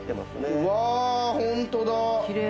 うわぁホントだ。